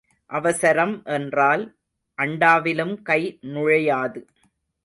அவசரம் என்றால் அண்டாவிலும் கை நுழையாது.